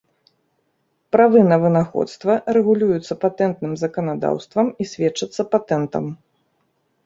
Правы на вынаходства рэгулююцца патэнтным заканадаўствам і сведчацца патэнтам.